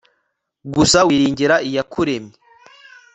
gusa wiringira iyakuremye